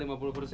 tapi agak susah